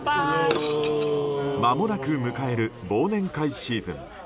まもなく迎える忘年会シーズン。